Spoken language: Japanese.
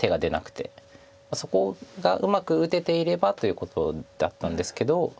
そこがうまく打てていればということだったんですけど。